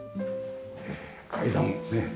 階段ねっ。